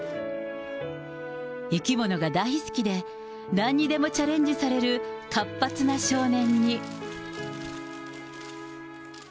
生き物が大好きで、なんにもでもチャレンジされる活発な少年に。